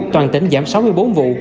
toàn tỉnh giảm sáu mươi bốn vụ